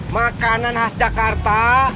makanan khas jakarta